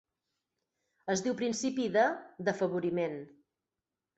Es diu principi de d'afavoriment.